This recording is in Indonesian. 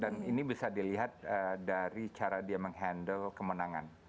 dan ini bisa dilihat dari cara dia menghandle kemenangan